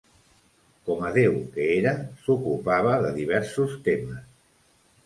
Com a déu que era, s'ocupava de diversos temes.